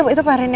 itu pak rindy